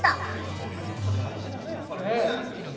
こういうこと大事だねやっぱりね。